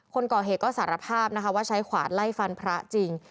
คนก่อเหตุก็สารภาพนะคะว่าใช้ขวานไล่ฟันพระจริง